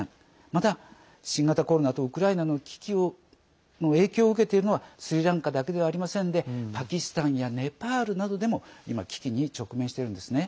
また新型コロナとウクライナの危機の影響を受けているのはスリランカだけではありませんでパキスタンやネパールなどでも今、危機に直面しているんですね。